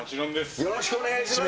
よろしくお願いします。